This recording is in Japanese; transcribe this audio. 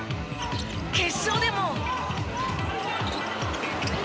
決勝でも。